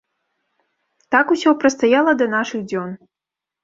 Так усё прастаяла да нашых дзён.